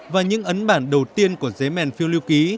và những ấn bản đầu tiên của giấy mèn phiêu lưu ký